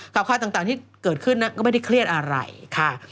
ค่ายต่างที่เกิดขึ้นนะก็ไม่ได้เครียดอะไรค่ะ